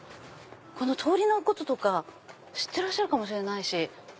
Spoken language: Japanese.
この通りのこととか知ってらっしゃるかもしれないし。